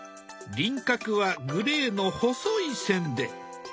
輪郭はグレーの細い線で。